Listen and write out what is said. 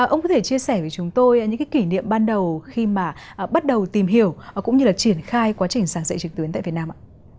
ông có thể chia sẻ với chúng tôi những cái kỷ niệm ban đầu khi mà bắt đầu tìm hiểu cũng như là triển khai quá trình giảng dạy trực tuyến tại việt nam ạ